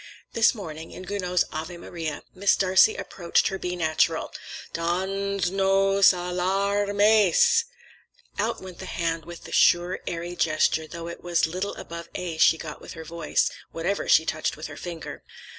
This morning, in Gounod's "Ave Maria," as Miss Darcey approached her B natural,— Dans—nos a lár———mes! Out went the hand, with the sure airy gesture, though it was little above A she got with her voice, whatever she touched with her finger.